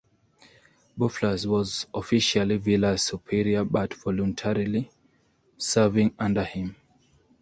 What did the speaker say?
Boufflers was officially Villars' superior but voluntarily serving under him.